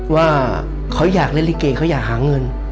ว่าเขาอยากเล่นลิเกเขาอยากหาเงิน